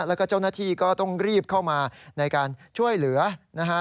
แล้วก็เจ้าหน้าที่ก็ต้องรีบเข้ามาในการช่วยเหลือนะฮะ